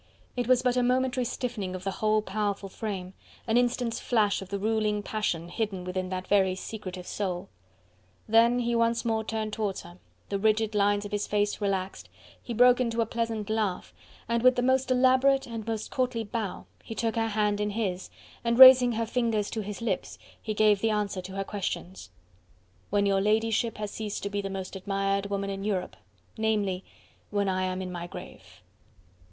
It was but a momentary stiffening of the whole powerful frame, an instant's flash of the ruling passion hidden within that very secretive soul. Then he once more turned towards her, the rigid lines of his face relaxed, he broke into a pleasant laugh, and with the most elaborate and most courtly bow he took her hand in his and raising her fingers to his lips, he gave the answer to her questions: "When your ladyship has ceased to be the most admired woman in Europe, namely, when I am in my grave."